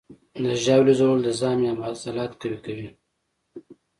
د ژاولې ژوول د ژامې عضلات قوي کوي.